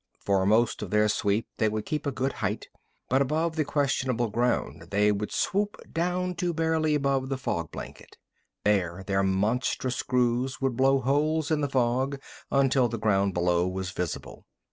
For most of their sweep they would keep a good height, but above the questionable ground they would swoop down to barely above the fog blanket. There their monstrous screws would blow holes in the fog until the ground below was visible.